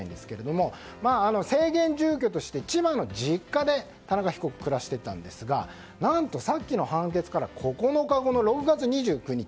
制限住居として、千葉の実家で田中被告、暮らしていたんですが何とさっきの判決から９日後の６月２９日